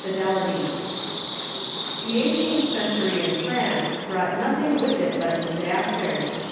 ] The eighteenth century in France brought nothing with it but disaster.